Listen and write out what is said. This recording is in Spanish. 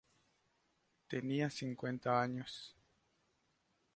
Tenía cincuenta años.